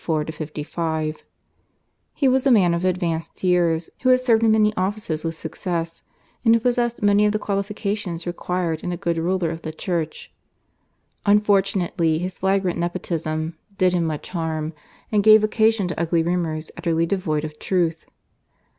He was a man of advanced years, who had served in many offices with success, and who possessed many of the qualifications required in a good ruler of the Church. Unfortunately, his flagrant nepotism did him much harm and gave occasion to ugly rumours utterly devoid of truth.